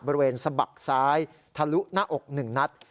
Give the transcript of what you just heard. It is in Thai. บริเวณสะบักซ้ายทะลุหน้าอกหนึ่งนัด